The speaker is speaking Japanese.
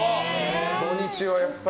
土日は、やっぱりね。